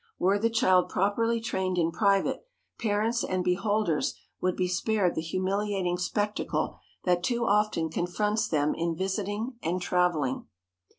Were the child properly trained in private, parents and beholders would be spared the humiliating spectacle that too often confronts them in visiting and traveling.